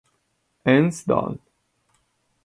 Hans Dahl